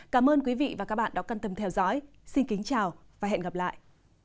cảm ơn quý vị và các bạn đã quan tâm theo dõi xin kính chào và hẹn gặp lại